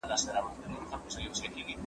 چي يقين يې د خپل ځان پر حماقت سو